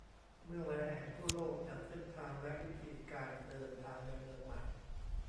เมืองหลายแห่งทั่วโลกจัดเส้นทางและวิธีการเดินทางในเมืองใหม่